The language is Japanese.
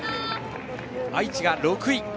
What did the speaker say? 愛知が６位。